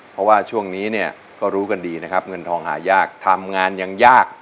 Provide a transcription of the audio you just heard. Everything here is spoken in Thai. เพราะว่าช่วงนี้เนี่ยก็รู้กันดีนะครับเงินทองหายากทำงานยังยาก